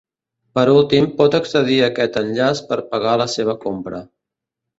Per últim, pot accedir a aquest enllaç per pagar la seva compra.